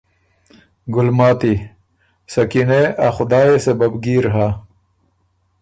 ګلماتی ” سکینې! ا خدایٛ يې سببګیر هۀ۔